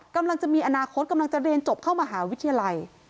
กำลังมีอนาคตเรียนกลับเค้ามาธวิทยาลัย